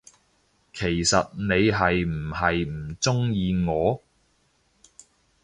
其實你係唔係唔鍾意我，？